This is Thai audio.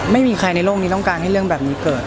ไม่มีใครในโลกนี้ต้องการให้เรื่องแบบนี้เกิด